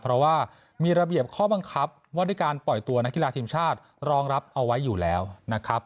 เพราะว่ามีระเบียบข้อบังคับว่าด้วยการปล่อยตัวนักกีฬาทีมชาติรองรับเอาไว้อยู่แล้วนะครับ